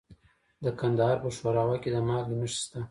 د کندهار په شورابک کې د مالګې نښې شته.